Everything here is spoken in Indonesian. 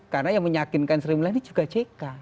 karena yang menyakinkan sri mulyani juga jk